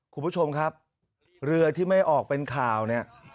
คุณผู้ชมครับเรือที่ไม่ออกเป็นข่าวเนี่ย